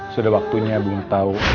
sudah waktunya bunga tahu